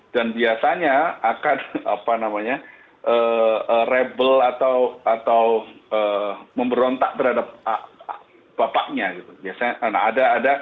dan biasanya akan rebel atau memberontak terhadap bapaknya